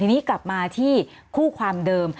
ทีนี้กลับมาที่คู่ความเดิม